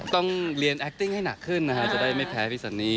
ต้องเรียนแอคติ้งให้หนักขึ้นนะฮะจะได้ไม่แพ้พี่สันนี่